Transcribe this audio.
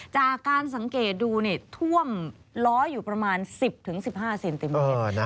จากการสังเกตดูท่วมล้ออยู่ประมาณ๑๐๑๕เซนติเมตร